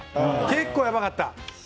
結構やばかった。